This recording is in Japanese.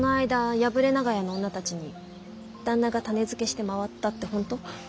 破れ長屋の女たちに旦那が種付けして回ったって本当？